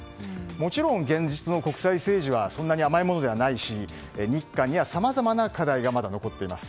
もちろん、現実の国際政治はそんなに甘いものではないし日韓にはさまざまな課題がまだ残っています。